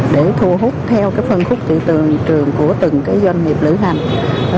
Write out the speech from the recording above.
để thu hút theo phân khúc tự tường trường của từng doanh nghiệp lưỡng hành